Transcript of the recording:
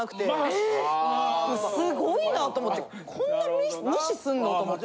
すごいなと思ってこんな無視すんのと思って。